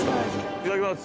いただきます。